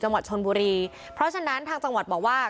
จังหวัดชนบุรีเพราะฉะนั้นทางจังหวัดบอกว่า